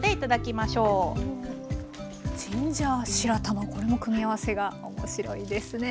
ジンジャー白玉これも組み合わせが面白いですね。